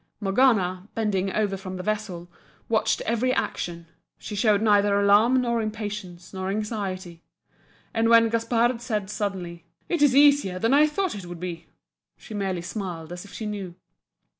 Morgana, bending over from the vessel, watched every action, she showed neither alarm nor impatience nor anxiety and when Gaspard said suddenly "It is easier than I thought it would be!" she merely smiled as if she knew.